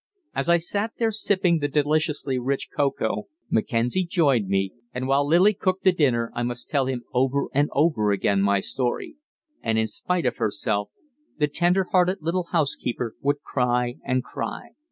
As I sat there sipping the deliciously rich cocoa, Mackenzie joined me, and while Lillie cooked the dinner I must tell him over and over again my story. And in spite of herself the tender hearted little housekeeper would cry and cry.